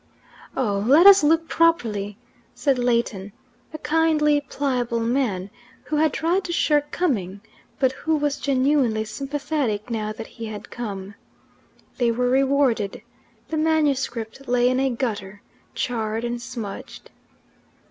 "Oh, let us look properly," said Leighton, a kindly, pliable man, who had tried to shirk coming, but who was genuinely sympathetic now that he had come. They were rewarded: the manuscript lay in a gutter, charred and smudged.